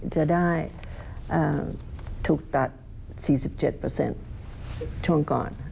จะได้ถูกตัด๔๗ช่วงก่อน